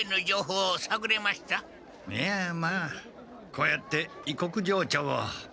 こうやって異国情緒を。